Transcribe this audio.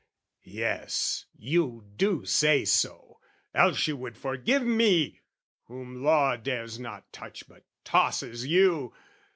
Yes, you do say so, else you would forgive Me, whom Law dares not touch but tosses you!